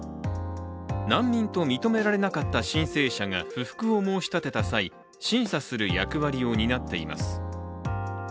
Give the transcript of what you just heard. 難民と認められなかった申請者が不服を申し立てた際審査する役割を担っています。